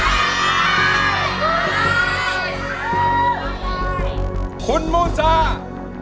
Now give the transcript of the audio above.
เพลงที่เจ็ดเพลงที่แปดแล้วมันจะบีบหัวใจมากกว่านี้